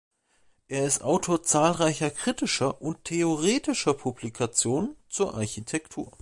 Er ist Autor zahlreicher kritischer und theoretischer Publikationen zur Architektur.